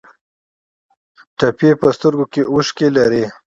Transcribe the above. ټپي په سترګو کې اوښکې لري.